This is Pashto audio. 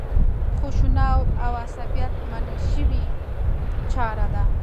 خشونت او عصبیت منل شوې چاره ده.